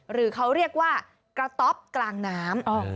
หรือเขาเรียกว่ากระต๊อบกลางน้ำ